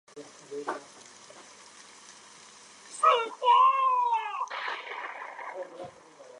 详见软件出版周期。